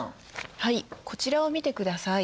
はいこちらを見てください。